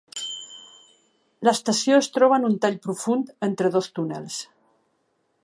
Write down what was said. L'estació es troba en un tall profund entre dos túnels.